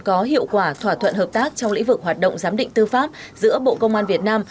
có hiệu quả thỏa thuận hợp tác trong lĩnh vực hoạt động giám định tư pháp giữa bộ công an việt nam